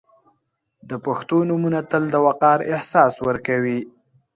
• د پښتو نومونه تل د وقار احساس ورکوي.